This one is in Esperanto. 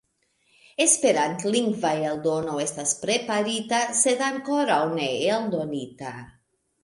Esperantlingva eldono estas preparita, sed ankoraŭ ne eldonita.